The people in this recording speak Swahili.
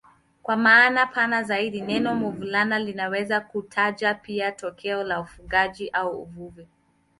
Kwa maana pana zaidi neno mavuno linaweza kutaja pia tokeo la ufugaji au uvuvi.